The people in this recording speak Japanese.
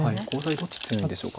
どっち強いんでしょうか。